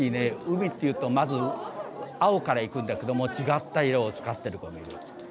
海っていうとまず青からいくんだけども違った色を使ってる子もいる。